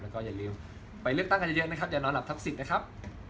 แล้วก็อย่าลืมไปเลือกตั้งกันเยอะนะครับอย่านอนหลับทับสิทธิ์นะครับ